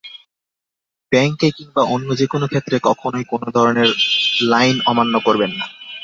ব্যাংকে কিংবা অন্য যেকোনো ক্ষেত্রে কখনোই কোনো ধরনের লাইন অমান্য করবেন না।